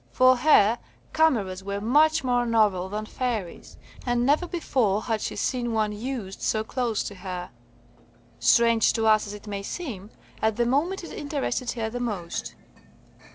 For her, cameras were much more novel than fairies, and never before had she seen one used so close to her. Strange to us as it may seem, at the moment it interested her the most.